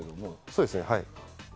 そうですね、はい。